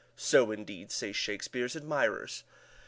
So, indeed, say Shakespeare's admirers.